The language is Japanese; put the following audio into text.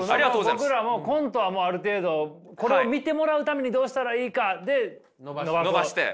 僕らもコントはもうある程度これを見てもらうためにどうしたらいいかで伸ばそう。